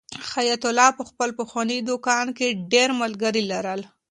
حیات الله په خپل پخواني دوکان کې ډېر ملګري لرل.